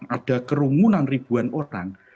ada kerungunan ribuan orang